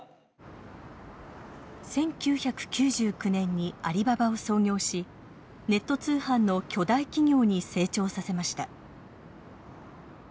１９９９年にアリババを創業しネット通販の巨大企業に成長させました。